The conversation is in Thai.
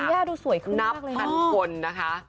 ธัญญาดูสวยขึ้นมากเลยค่ะโอ้โหนับพันคนนะคะอ๋อ